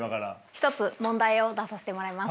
１つ問題を出させてもらいます。